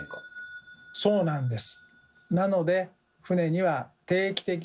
そうなんです。